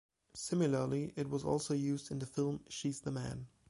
Similarly, it was also used in the film "She's the Man".